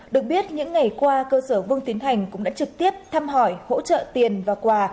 được biết những ngày qua cơ sở vương tiến thành cũng đã trực tiếp thăm hỏi hỗ trợ tiền và quà